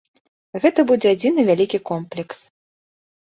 Гэта будзе адзіны вялікі комплекс.